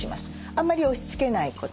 あんまり押しつけないこと。